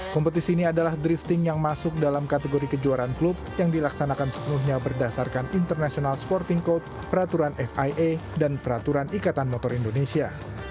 kompetisi ini adalah drifting yang masuk dalam kategori kejuaraan klub yang dilaksanakan sepenuhnya berdasarkan international sporting code peraturan fia dan peraturan ikatan motor indonesia